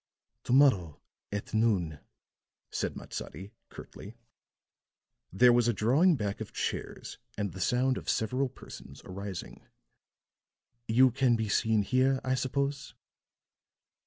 "To morrow, at noon," said Matsadi, curtly. There was a drawing back of chairs and the sound of several persons arising. "You can be seen here, I suppose?"